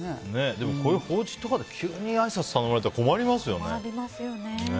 でもこういう法事とかで急にあいさつ頼まれても困りますよね。